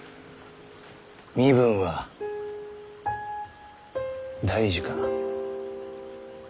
身分は大事か？